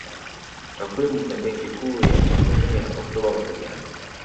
Takwimu na Benki Kuu ya Tanzania Oktoba mwaka jana